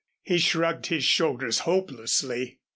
He shrugged his shoulders hopelessly.